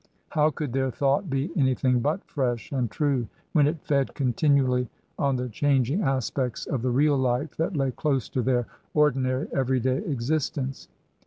How could their thought be anything but fresh and true when it fed continually on the changing aspects of the real life that lay close to their ordinary everyday exist ence